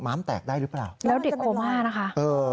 ้ามแตกได้หรือเปล่าแล้วเด็กโคม่านะคะเออ